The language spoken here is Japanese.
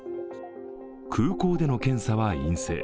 空港での検査は陰性。